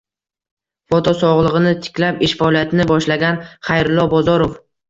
Foto: Sog‘lig‘ini tiklab, ish faoliyatini boshlagan Xayrullo Bozorov